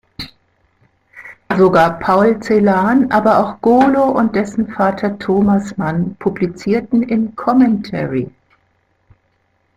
Sogar Paul Celan, aber auch Golo und dessen Vater Thomas Mann publizierten in Commentary.